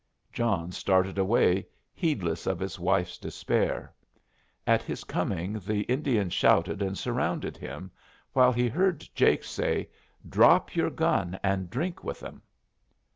John started away, heedless of his wife's despair. At his coming the Indians shouted and surrounded him, while he heard Jake say, "Drop your gun and drink with them."